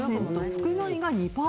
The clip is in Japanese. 少ないが２％。